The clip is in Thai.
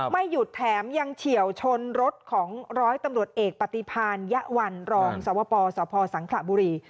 ไม่หยุดแถมยังเฉียวชนรถของร้อยตำรวจเอกปฏิพานยะวันรองสวปสพสังขระบุรี